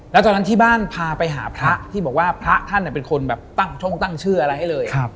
แล้วตอนนั้นที่บ้านพาไปหาพระที่บอกว่าพระท่านเป็นคนแบบตั้งช่องตั้งชื่ออะไรให้เลย